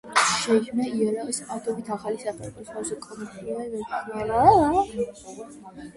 შეიქმნა იარაღის ათობით ახალი სახეობა, სხვადასხვა კონფიგურაციის ნაჯახი, შუბი.